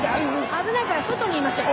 危ないから外にいましょう。